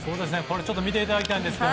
見ていただきたいんですが。